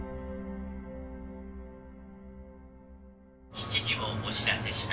「７時をお知らせします」。